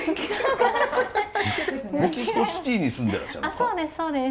そうですそうです！